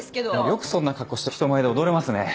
よくそんな格好して人前で踊れますね。